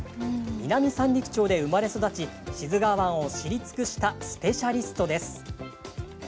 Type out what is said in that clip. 南三陸町で生まれ育ち志津川湾を知り尽くしたスペシャリストです。